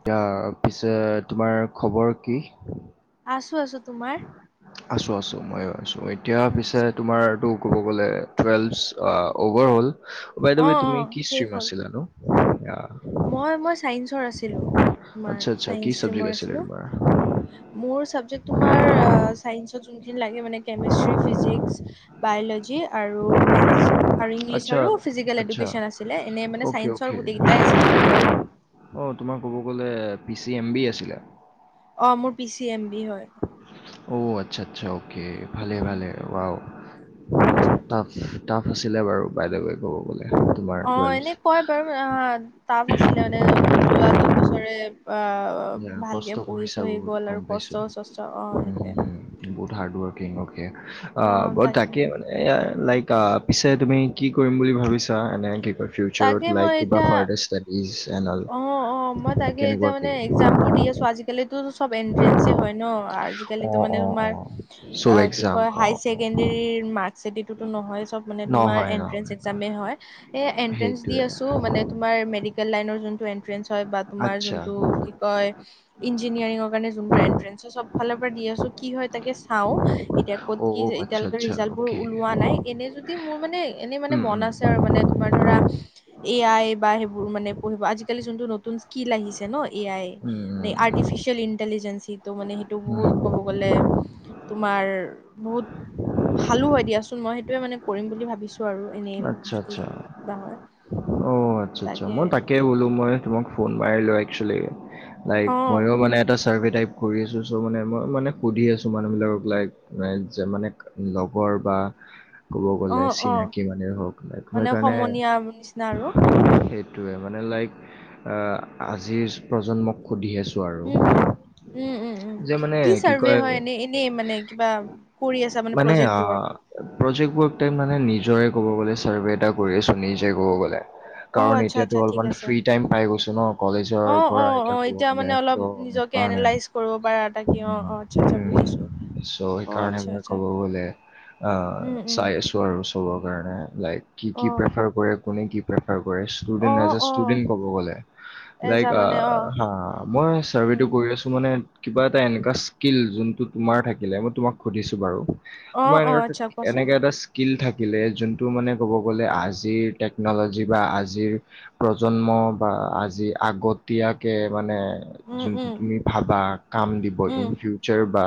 এতিয়া পিছে তোমাৰ খবৰ কি? আছো আছো তোমাৰ? আছোঁ আছোঁ মইও আছো এতিয়া পিছে আচ্ছা তোমাৰটো ক'ব গ'লে টুৱেলভচ অ' অভাৰ হ'ল বাই দ অ ৱে অ তুমি কি শেষ ষ্ট্ৰ্ৰীম হ'ল আছিলানো? অ'। মই মই ছাইন্সৰ আছিলোঁ, তোমাৰ আচ্ছা আচ্ছা কি চাইন্স চাবজেক্ট ষ্ট্ৰীমৰ আছিলে আছিলোঁ। তোমাৰ? মোৰ চাবজেক্ট তোমাৰ অ', চাইন্সত যোনখিনি লাগে মানে কেমিষ্ট্ৰি, ফিজিক্স বাইঅলজি আৰু মেথছ আৰু ইংলিছ আচ্ছা আৰু ফিজিকেল আচ্ছা এডুকেচন আছিলে এনে মানে অ'কে চাইঞ্চৰ অ'কে। গোটেই কেইটাই আছিল। লে ক'ব গ'লে। অ', তোমাৰ ক'ব গ'লে পি চি এম বি আছিলে। অ', মোৰ পি চি এম বি হয়। অ', আচ্ছা আচ্ছা, অকে, ভালে অ, ভালে ৱাউ আচ্ছা আচ্ছা টাফ। টাফ আছিলে বাৰু বাই দা ৱে ক'ব গ'লে তোমাৰ টুৱেলভ। এনে কয় বাৰু অ', টাফ আছিলে মানে যোৱা দুইবছৰে অ' অ', ইয়া, কষ্ট ভালকে কৰিছা পঢ়ি-চহি বহুত গ'ল গম আৰু পাইছোঁ। কষ্ট চষ্ট অ', সেইটোৱে। বহুত হাৰ্ড ৱৰ্কিং অকে, অ', বাৰু তাকেমানে য়া লাইক পিছে তুমি কি কৰিম বুলি ভাবিছা? এনে কি কৰি তাকে ফিউচাৰত মই লাই কিবা এতিয়া ফাৰ্ডাৰ ষ্টাডিজ এন অ'ল কেনেকুৱাকে? জাম বোৰ দি আছো আজিকালিতো চব এন্ট্ৰেন্ঞ্চ হয়, ন' আজিকালিটো অঁ মানে অঁ তোমাৰ অঁ চব এক্সাম অ'। হাইচেকেনডেৰিৰ মাৰ্কচেদি টো টো নহয় চব মানে তোমাৰ নহয় এন্ট্ৰেন্স নহয় এক্সামে হয়। এ দি সেইটোৱে আছো মানে তোমাৰ মেডিকেল লাইনৰ যোনটো এন্ট্ৰেঞ্চ হয় বা তোমাৰ আচ্ছা যোনটো কি কয় ইঞ্জিনিয়াৰিঙৰ কাৰণে, যোনবোৰ এণ্ট্ৰেঞ্চৰ চবফালৰ পৰা দি আছোঁ কি হয়, তাকে চাওঁ। এতিয়া ক'ত অ' কি অ' আচ্ছা এতিয়ালৈকে আচ্ছা ৰিজাল্ট বোৰ অ'কে ওলোৱা নাই এনে যদি মোৰ মানে এনে মানে উম উম মন আছে আৰু মানে। তোমাৰ ধৰা এ আই বা সেইবোৰ মানে পঢ়িব আজিকালি যোনটো নতুন কি লাগিছে ন' এ আই উম মানে, আৰ্টিফিচিয়েল ইণ্টেলিজেন্ঞ্চ সিটো মানে সি টো উম উম। বহুত ক'ব গ'লে। তোমাৰ বহুত ভালো হয়, দিয়াচোন মই সেইটোয়ে মানে কৰিম বুলি ভাবিছো। আৰু এনেই আচ্ছা যদি আচ্ছা কিবা হয়। অ', আচ্ছা আচ্ছা মই তাকে বোলো মই তোমাক ফোন মাৰিলো একছুৱেলি লাইক অ ময়ো মানে এটা ছাৰ্ভে টাইপ কৰি আছোঁ চ' মানে মই মানে সুধি আছোঁ মানুহবিলাকক লাইক যে, মানে লগৰ বা ক'ব অ গ'লে অ চিনাকি মানে হওক মানে কাৰণে, সমনীয়া নিচিনা আৰু সেই সেইটোৱে মানে লাইক আজিৰ প্ৰজন্মক সুধি আছোঁ উম হম আৰু। উম, উম, উম, যে মানে কি চাৰ্ভে কয় হয়, এনে এনেই মানে কিবা কৰি আছা মানে প্ৰজেক্ট অ' ৱৰ্ক প্ৰজেক্ট ৱৰ্ক টাইপ মানে নিজৰে ক'ব গ'লে চাৰ্ভে এটা কৰি আছো নিজে ক'ব গ'লে। অ কাৰণ, আচ্ছা আচ্ছা এতিয়াতো ঠিক অলপমান আছে ফ্ৰী টাইম পাই গৈছো ন' অ কলেজৰ পৰা এতিয়া ক'ব গ'লে ত' কে সেইকাৰণে চ' এনালাইজ কৰিব পাৰা তাকে অ', অ', আচ্ছা আচ্ছা বুজিছো। কাৰণে, আচ্ছা মই আচ্ছা ক'ব গ'লে। আহ উম উম চাই আছো আৰু চবৰ কাৰণে, লাইক কি অ কি প্ৰেফাৰ কৰে কোনে কি প্ৰেফাৰ কৰেছ। অ ষ্টুডেণ্ট এছ আ অ ষ্টুডেণ্ট ক'ব গ'লে, এজা লাইক আ মানে অ হা মই চাৰ্ভেটো উম কৰি আছোঁ মানে কিবা এটা এনেকা স্কিল, যোনটো তোমাৰ থাকিলে মই তোমাক সুধিছো বাৰু অ তোমাৰ অ এনেকুৱা আচ্ছা কোৱাচোন এনেকা এটা স্কিল থাকিলে যোনটো মানে ক'ব গ'লে, আজিৰ টেকন'লজি বা আজিৰ প্ৰজন্ম বা আজি আগতীয়াকে মানে উম যোনটো উম তুমি ভাবা কাম দিব উম ইন ফিউচাৰ বা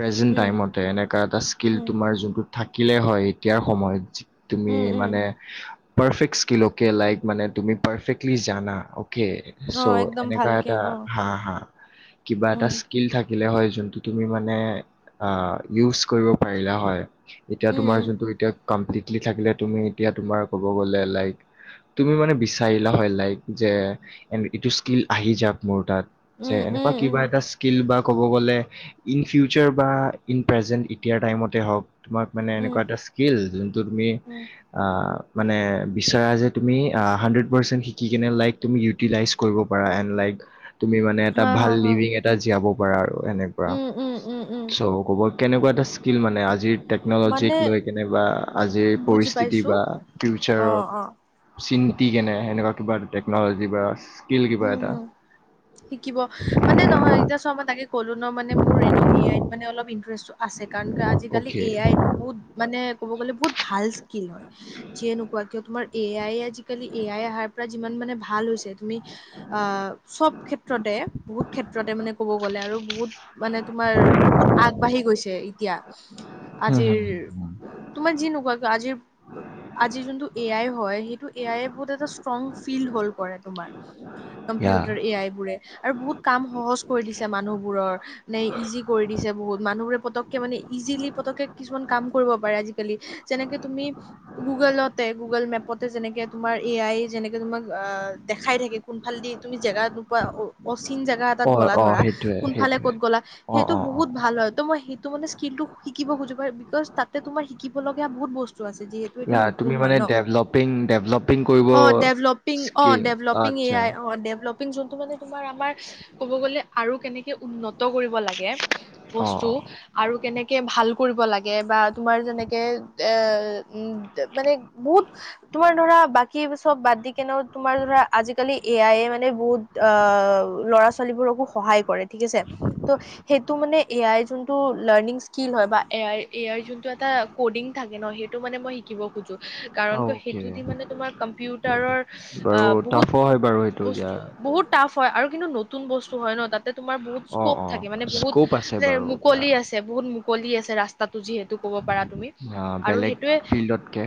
প্ৰেজেণ্ট উম টাইমত এনেকুৱা এটা স্কিল উম তোমাৰ যোনটো থাকিলে হয় এতিয়াৰ সময়ত তুমি উম উম মানে পৰ্ফেক্ট স্কিলকে লাইক মানে তুমি পৰ্ফেক্টলি জানা ওকে। অ চ' একদম এনেকুৱা ভালকে এটা অ হা হা কিবা এটা উম স্কিল থাকিলে হয় যোনটো তুমি মানে আহঁ ইউজ কৰিব পাৰিলে হয়, এতিয়া তোমাৰ উম যোনটো এতিয়া কমপ্লিটলি থাকিলে তুমি এতিয়া তোমাৰ ক'ব গ'লে লাইক তুমি মানে বিচাৰিলা হয় লাইক, যে এ এইটো স্কিল আহি যাক মোৰ তাত। যে উম উম এনেকুৱা উম কিবা উম এটা স্কিল বা ক'ব গলে ইন ফিউচাৰ বা ইন প্ৰেজেণ্ট এতিয়াৰ টাইমতে হওক, তোমাক মানে উম এনেকুৱা এটা স্কিল যোনটো তুমি উম আ মানে বিচাৰ যে তুমি হাণ্ড্ৰেড পাৰ্চেণ্ট শিকি কিনে লাইক তুমি ইউটিলাইজ কৰিব পাৰা, এন লাইক তুমি মানে এটা হা হা ভাল হা লিভিং এটা জীয়াব পাৰা আৰু এনে উম, উম, উম, উম। ক'ব কেনেকুৱা এটা স্কিল মানে আজিৰ টেকন'লজিক মানে লৈ কেনেবা আজিৰ বুজি পৰিস্থিতি পাইছো বা অ ফিউচাৰক অ চিন্তি কেনে সেনেকুৱা বা টেকনলজি বা স্কিল কিবা উম, এটা হুম, শিকিব মানে নহয় এতিয়া চোৱা মই তাকে কলো ন' মানে মোৰ এনেও এ আই ত মানে অলপ ইন্টাৰেষ্ট আছে কাৰণ আজিকালি অ'কে এ আইটো বহুত মানে ক'ব গ'লে বহুত ভাল স্কিল হয়। যিয়ে নুকোৱা কিয় তোমাৰ এ আই আজিকালি এ আই অহাৰ পৰা যিমান মানে ভাল হৈছে তুমি আ চ'ব ক্ষেত্ৰতে বহুত ক্ষেত্ৰতে মানে ক'ব গ'লে আৰু বহুত মানে তোমাৰ বহুত আগবাঢ়ি গৈছে এতিয়া। হুম আজিৰ হুম হুম হুম তোমাৰ যি নোকুৱা কিয় আজিৰ আজিৰ যোনটো এ আই হয় সেইটো এ আই বহুত এটা ষ্ট্ৰং ফিল্ড হল কৰে তোমাৰ। য়া কম্পিউটাৰ এ আই বোৰে আৰু বহুত কাম সহজ কৰি দিছে মানুহবোৰৰ। নে ইজি কৰি দিছে বহুত মানুহবোৰে পতককে মানে ইজিলি পতককে কিছুমান কাম কৰিব পাৰে আজিকালি যেনেকে তুমি গুগলতে গুগল মেপতে যেনেকে তোমাৰ এ আই যেনেকে তোমাক অ দেখাই থাকে। কোনফাল দি তুমি জেগাত নোপোৱা অচিন জেগাত অ গ'লা অ ধৰা সেইটোৱে কোনফালে সেইটোৱে ক'ত গ'লা অ সেইটো অ অ বহুত ভাল হয় ত' মই ত' মানে স্কিলটো শিকিব খুজিব বিকজ তাতে তোমাৰ শিকিব লগা বহুত বস্তু আছে যিহেতু এইটো য়া নতুন তুমি হয় মানে ন' ডেভলপিং ডেভলপিং কৰিব অ' ডেভলপিং স্কি অ' ডেভলপিং এ আচ্ছা আই অ ডেভলপিং যোনটো মানে তোমাৰ আমাৰ কব গলে আৰু কেনেকে উন্নত কৰিব লাগে। এপ বস্তু অ', আৰু কেনেকে ভাল কৰিব লাগে বা তোমাৰ যেনেকে এ মানে বহুত তোমাৰ ধৰা বাকী চব বাদ দি কেনে তোমাৰ ধৰা আজিকালি এ আই মানে বহুত আহ ল'ৰা ছোৱালীবোৰকো সহায় কৰে ঠিক আছে। ত' সেইটো মানে এ আইৰ যোনটো লাৰ্ণিং স্কিল হয় বা এ আই এ আইৰ যোনটো এটা ক'ডিং থাকে ন' সেইটো মানে মই শিকিব অ', কাৰণটো অ'কে সেইটো দি মানে তোমাৰ কম্পিউটাৰৰ বাৰু আ বহুত টাফো হয় বাৰু সেইটো ইয়া বস্তু বহুত টাফ হয় আৰু কিন্তু নতুন বস্তু হয় ন তাত তোমাৰ বহুত অ', স্কপ অ', থাকে মানে বহুত স্ক'প আছে মান বাৰু ইয়া মুকলি আছে বহুত মুকলি আছে ৰাস্ত তাতো যিহেতু ক'ব পাৰা তুমি আ, আৰু বেলেগ সেইটোয়ে ফিল্ডতকে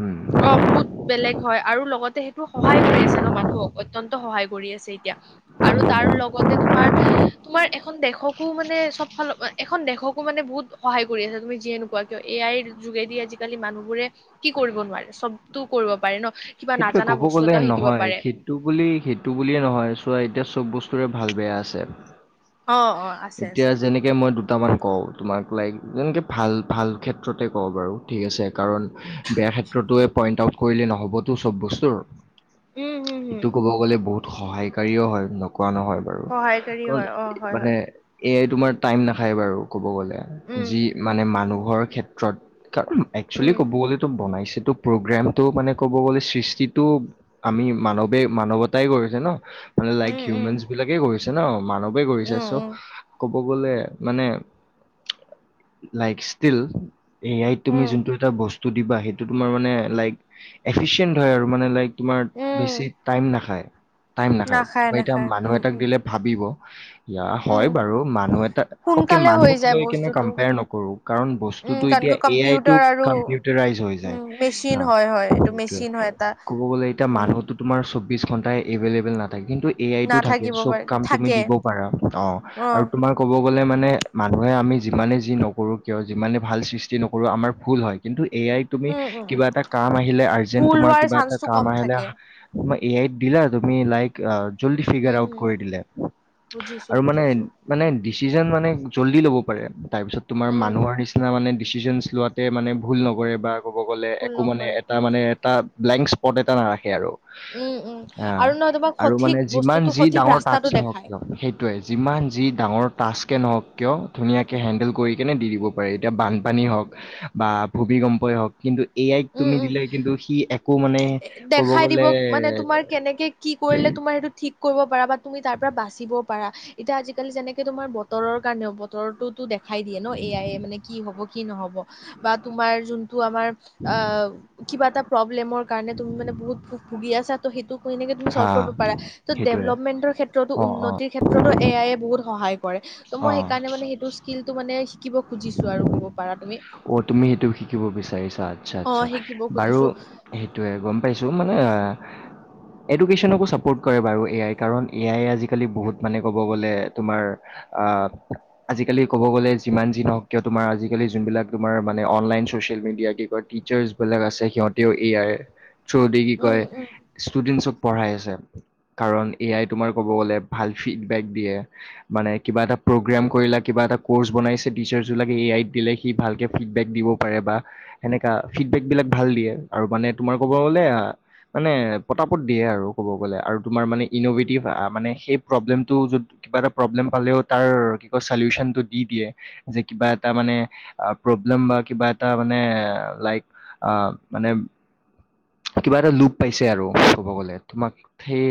উম। অ বহুত বেলেগ হয়, আৰু লগতে সেইটো সহায় কৰি আছে ন মানুহক। অত্যন্ত সহায় কৰি আছে এতিয়া আৰু তাৰ লগতে তোমাৰ তোমাৰ এখন দেশকো মানে চব ফাল, এখন দেশকো মানে বহুত সহায় কৰি আছে তুমি যিয়ে নোকোৱা এ আইৰ যোগেদি আজিকালি মানুহবোৰে কি কৰিব নোৱাৰে? চবটো কৰিব পাৰে ন? কিবা সেইটোৱে নাজানা ক'ব বস্তু গ'লে এটা শিকিব নহয় পাৰে সেইটো বুলি, সেইটো বুলিয়ে নহয়। চোৱা এতিয়া চব বস্তুৰে ভাল বেয়া আছে। অ অ আছে এতিয়া আছে যেনেকে মই দুটামান কওঁ তোমাক, লাইক যেনেকে ভাল- ভাল ক্ষেত্ৰতে কওঁ বাৰু। ঠিক আছে, কাৰণ বেয়া ক্ষেত্ৰটোৱে পইণ্ট আউট কৰিলে নহ'বতো চব বস্তুৰ। উম হম হম এইটো ক'ব গ'লে বহুত সহায়কাৰীও হয় নকোৱা নহয়। সহায়কাৰী কাৰণ হয় অ হয় মানে হয় এ আই তোমাৰ টাইম নাখায় বাৰু ক'ব গ'লে। উম যি মানে মানুহৰ ক্ষেত্ৰত, কাৰণ একচুৱেলি উম ক'ব গ'লেতো বনাইছেতো প্ৰগ্ৰেমটো মানে ক'ব গ'লে সৃষ্টিটো আমি মানৱে মানৱতাই কৰিছে ন। মানে লাইক উম উম হিউমেনচ বিলাকে কৰিছে ন, মানৱেই কৰিছে উম চব উম ক'ব গ'লে মানে, লাইক ষ্টীল এ আই ত তুমি উম যোনটো এটা বস্তু দিবা সেইটো তোমাৰ মানে লাইক এফিচিয়েন্ট হয় আৰু মানে লাইক তোমাৰ উম বেছি টাইম নাখায়, টাইম নাখায়, তোমাৰ এতিয়া নাখায় মানুহ উম এটাক উম দিলে ভাবিব। ইয়া হয় উম বাৰু, মানুহ এটা- অকে সোনকালে হৈ মানুহক যায় লৈ কিনে বস্তুটো কম্পেয়াৰ নকৰো কাৰণ বস্তু উম বস্তুটো কাৰণ এতিয়া কি এ আইটো কম্পিউটাৰ আৰু কম্পিউটাৰাইজ হৈ যায় উম মেচিন হা, হয় হয় এইটো সেইটোৱে মেচিন হয় এটা ক'ব গ'লে এতিয়া উম মানুহটো তোমাৰ চৌবিছ ঘণ্টাই এভেইলেবল নাথাকে কিন্তু এ আইতো থাকে নাথাকিব চব পাৰে কাম তুমি থাকে দিব পাৰা। অ আমাৰ ক'ব গ'লে মানে মানুহে আমি যিমানে যি নকৰোঁ কিয় যিমানে ভাল সৃষ্টি নকৰোঁ আমাৰ ভুল হয় কিন্তু এ আই তুমি উম উম কিবা এটা কাম আহিলে, আৰ্জেন্ট ভুল তোমাৰ হোৱাৰ কিবা এটা চান্সটো কাম কম আহিলে থাকে তোমাৰ এ আইত দিলা, তুমি লাইক আ জল্দি ফিগাৰ উম আউট উম কৰি দিলে বুজিছো আৰু বুজিছো মানে মানে ডিচিজন মানে জল্দি ল'ব পাৰে, তাৰ পিছত তোমাৰ উম মানুহৰ নিচি তোমাৰ মানে ডিচিজছন লোৱাতে ভুল নকৰে বা ক'ব গলে ভুল একো মানে নকৰে এটা তাৰমানে এটা ব্লেংক স্পট এটা নাৰাখে আৰু। উম উম আ। আৰু নহয় তোমাক আৰু সঠিক মানে যিমান বস্তুটো যি সঠিক ডাঙৰ ৰাস্তাটো টাস্ক নহক দেখায় কিয় সেই টোৱে যিমান যি ডাঙৰ টাস্কে নহওক কিয় ধুনীয়াকে হেন্দেল কৰি কেনে দি দিব পাৰে। এতিয়া বানপানী হওক বা ভূমিকম্পই হওক কিন্তু এ আইক উম তুমি উম দিলে কিন্তু সি একো মানে ক'ব দেখাই দিব গলে মানে এ তোমাৰ কেনেকে কি কৰিলে তুমাৰ সেইটো ঠিক কৰিব পাৰা বা তুমি তাৰ পৰা বাচিব পাৰা এতিয়া আজিকালি যেনেকে তোমাৰ বতৰৰ কাৰণেও, বতৰটোতো দেখাই দিয়ে ন এ আই এ মানে কি হব? কি নহব? বা তোমাৰ যোনটো আমাৰ আহ, কিবা এটা প্ৰব্লেমৰ কাৰণে তুমি মানে বহুত ভোক ভুগি আছাটো সেইটো সেনেকে তুমি হা চলভ কৰিব পাৰা। ত সেইটোয়ে ডেভেলপমেন্টৰ ক্ষেত্ৰতো, অ', অ', উন্নতিৰ ক্ষেত্ৰতো এ আইয়ে বহুত সহায় কৰে। ত মই অ', সেইকাৰণে মানে সেইটো স্কিল টো মানে শিকিব খুজিছো আৰু কব পাৰা তুমি অ তুমি সেইটো শিকিব বিচাৰিছা, আচ্ছা অ -আচ্ছা শিকিব বাৰু খুজিছো সেইটোৱে গম পাইছোঁ মানে আ এডুকেশ্যনকো ছাপৰ্ট কৰে বাৰু এ আই। কাৰণ এ আইয়ে আজিকালি বহুত মানে ক'ব গ'লে তোমাৰ আহ আজিকালি ক'ব গ'লে যিমান যি নওক কিয় তোমাৰ আজিকালি যোনবিলাক তোমাৰ মানে অনলাইন, চচিয়েল মিডিয়া কি কয় টিচাৰ্চ বিলাক আছে সিহঁতেও এ আই চৌদি কি উম কয় উম ষ্টুডেন্ট চব পঢ়াই আছে কাৰণ এ আই তোমাৰ ক'ব গ'লে ভাল ফিডবেক দিয়ে মানে কিবা এটা প্ৰগ্ৰেম কৰিলা কিবা এটা কৰ্চ বনাইছে টিচাৰছবিলাকে এ আইত দিলে সি ভালকে ফিডবেক দিব পাৰে বা সেনেকা ফিডবেক বিলাক ভাল দিয়ে আৰু মানে তোমাৰ ক'ব গ'লে আ মানে পতাপত দিয়ে আৰু ক'ব গ'লে আৰু তোমাৰ মানে ইনভেটিভ মানে সেই প্ৰব্লেমটো যত কিবা এটা প্ৰব্লেম পালেও তাৰ কি কয় চলিউচনটো দি দিয়ে যে কিবা এটা মানে প্ৰব্লেম বা কিবা এটা মানে লাইক আ মানে কিবা এটা লোপ পাইছে আৰু ক'ব গ'লে তোমাক সেই